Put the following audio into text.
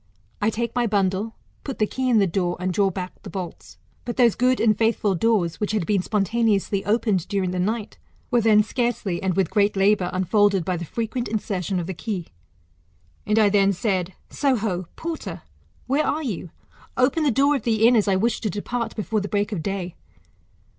I take my bundle, put the key in the door, and draw bnck the bolts. But those good and faithful doors, which had been spontaneously opened during the night, were then scarcely, and with great labour, unfolded by the frequent insertion of the key. And I then said, Soho, porter! where are you ? Open the door of the inn, as I wish to depart before the break of day.